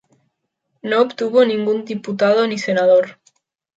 No obtuvo ningún diputado ni senador.